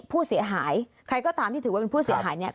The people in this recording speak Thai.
ผู้เสียหายใครก็ตามที่ถือว่าเป็นผู้เสียหายเนี่ย